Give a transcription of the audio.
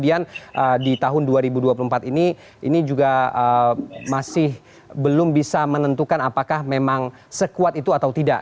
ini juga masih belum bisa menentukan apakah memang sekuat itu atau tidak